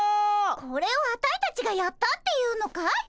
これをアタイたちがやったっていうのかい？